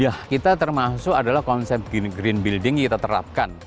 ya kita termasuk adalah konsep green building yang kita terapkan